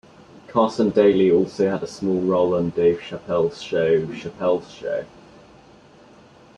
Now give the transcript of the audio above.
Carson Daly also had a small role on Dave Chappelle's show "Chappelle's Show".